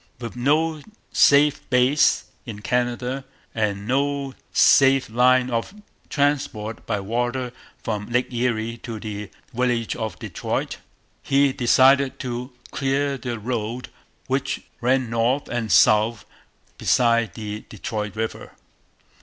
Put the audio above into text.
With no safe base in Canada, and no safe line of transport by water from Lake Erie to the village of Detroit, he decided to clear the road which ran north and south beside the Detroit river.